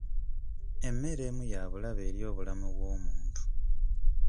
Emmere emu ya bulabe eri obulamu bw'omuntu.